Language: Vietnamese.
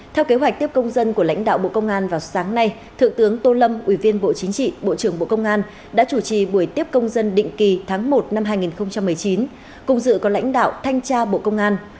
theo kế hoạch tiếp công dân của lãnh đạo bộ công an vào sáng nay thượng tướng tô lâm ủy viên bộ chính trị bộ trưởng bộ công an đã chủ trì buổi tiếp công dân định kỳ tháng một năm hai nghìn một mươi chín cùng dự có lãnh đạo thanh tra bộ công an